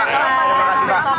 terima kasih pak